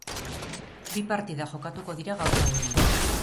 Bi partida jokatuko dira gaur gauean.